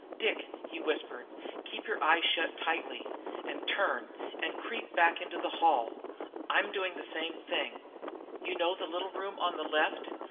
"Dick," he whispered, "keep your eyes shut tightly, and turn and creep back into the hall. I'm doing the same thing. You know the little room on the left?